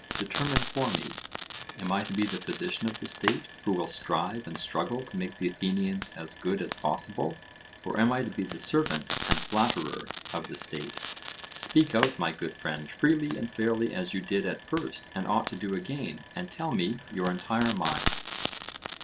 determine for me. Am I to be the physician of the State who will strive and struggle to make the Athenians as good as possible; or am I to be the servant and flatterer of the State? Speak out, my good friend, freely and fairly as you did at first and ought to do again, and tell me your entire mind.